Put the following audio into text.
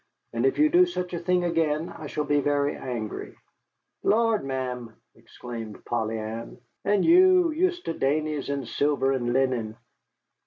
And if you do such a thing again, I shall be very angry." "Lord, ma'am," exclaimed Polly Ann, "and you use' ter dainties an' silver an' linen!